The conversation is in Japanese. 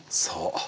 そう。